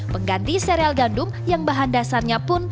pengganti sereal gandum yang bahan dasarnya pun